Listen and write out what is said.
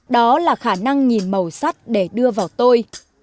đó là khả năng nhìn màu sắt để đưa vào tôi